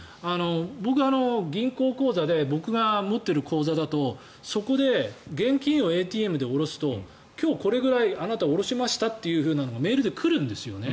僕は銀行口座で僕が持っている口座だとそこで現金をＡＴＭで下ろすと今日、これくらいあなた下ろしましたというのがメールで来るんですよね。